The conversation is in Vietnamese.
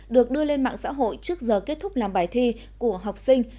được đưa lên mạng xã hội trước giờ kết thúc làm bài thi của học sinh